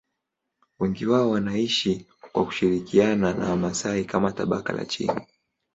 Wengi wao wanaishi kwa kushirikiana na Wamasai kama tabaka la chini.